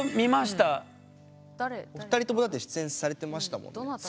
お二人ともだって出演されてましたもんね。